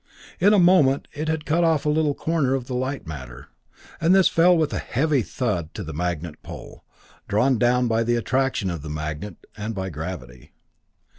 In a moment it had cut off a little corner of the light matter, and this fell with a heavy thud to the magnet pole, drawn down by the attraction of the magnet and by gravity.